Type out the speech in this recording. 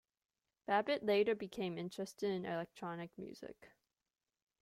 Babbitt later became interested in electronic music.